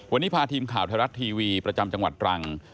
วันนี้พาทีมข่าวไทยรัฐทีวีประจำจังหวัดตรัง